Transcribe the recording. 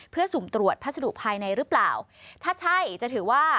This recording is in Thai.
เพื่อสุ่มตรวจพัสดุภายในหรือเปล่าถ้าใช่จะถือว่า